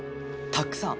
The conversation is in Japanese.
たっくさん。